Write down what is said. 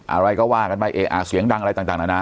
อะไรก็ว่ากันไปเอ๊ะอ่าเสียงดังอะไรต่างอะนะ